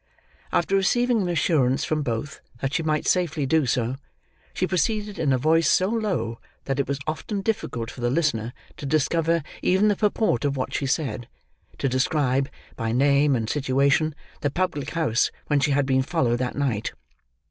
After receiving an assurance from both, that she might safely do so, she proceeded in a voice so low that it was often difficult for the listener to discover even the purport of what she said, to describe, by name and situation, the public house whence she had been followed that night.